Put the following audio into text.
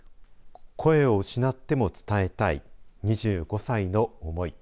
声を失っても伝えたい２５歳の思い。